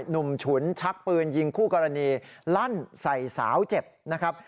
ฉุนชักปืนยิงคู่กรณีลั่นใส่สาวเจ็บนะครับ